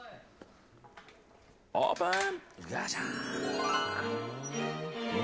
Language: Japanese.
オープン！